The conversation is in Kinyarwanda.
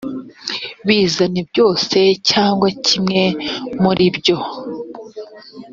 bizane byose cyangwa kimwe muri byo